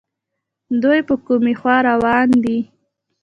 دوی په کومې خوا روان دي